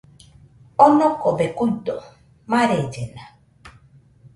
Onokobe kuido, marellena